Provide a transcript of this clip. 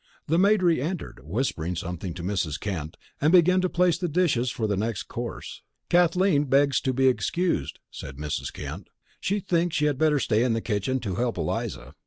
The maid reentered, whispered something to Mrs. Kent, and began to place the dishes for the next course. "Kathleen begs to be excused," said Mrs. Kent. "She thinks she had better stay in the kitchen to help Eliza."